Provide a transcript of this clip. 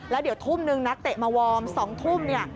แล้วเดี๋ยวทุ่มนึงนักเตะมาวอร์ม๒ทุ่มเนี่ย